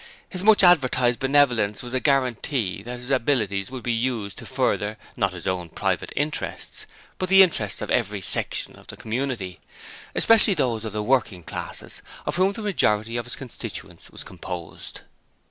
His much advertised benevolence was a guarantee that his abilities would be used to further not his own private interests, but the interests of every section of the community, especially those of the working classes, of whom the majority of his constituents was composed.